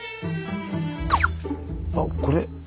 あっこれ。